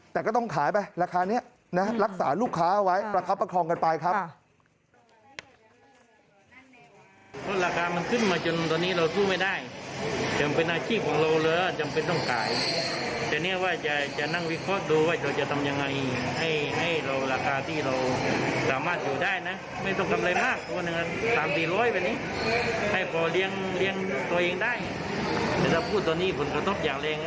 แต่ก็ต้องขายไปราคานี้นะรักษาลูกค้าเอาไว้ประคับประคองกันไปครับ